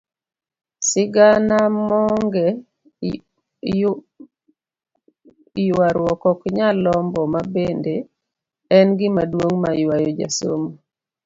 Sigana monge yuaruok okanyal lombo mabende en gima duong' mayuayo josomo.